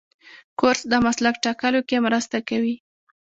کورس د مسلک ټاکلو کې مرسته کوي.